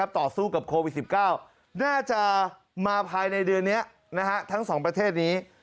ต่อสู้กับโควิด๑๙น่าจะมาภายในเดือนนี้ทั้งสองประเทศนี้